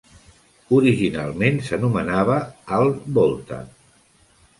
Originalment s'anomenava Alt Volta.